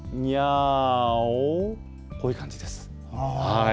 こういう感じです。